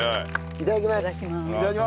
いただきます。